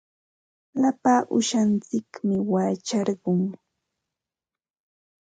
Lapa uushantsikmi wacharqun.